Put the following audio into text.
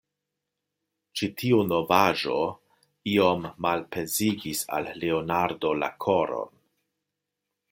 Ĉi tiu novaĵo iom malpezigis al Leonardo la koron.